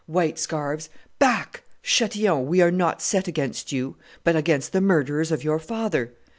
white scarfs; back! Chatillon: we are not set against you, but against the murderers of your father!